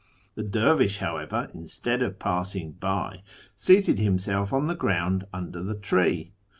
" The dervish, however, instead of passing by, seated himself on the ground under the tree.